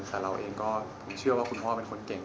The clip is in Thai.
แต่เราเองก็เชื่อว่าคุณพ่อเป็นคนเก่ง